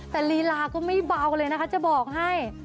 แต่ลีลาก็ไม่เบาเลยนะคะจะบอกให้